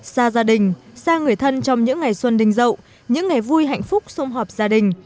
xa gia đình xa người thân trong những ngày xuân đình dậu những ngày vui hạnh phúc xung họp gia đình